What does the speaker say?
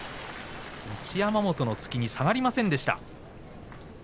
一山本の突きに下がりませんでした。